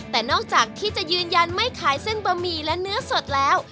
แต่นอกจากที่จะยืนยันไม่ขายเส้นบะหมี่และเนื้อสดแล้ว